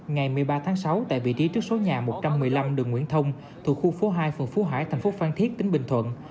ngày một mươi ba tháng sáu tại vị trí trước số nhà một trăm một mươi năm đường nguyễn thông thuộc khu phố hai phường phú hải thành phố phan thiết tỉnh bình thuận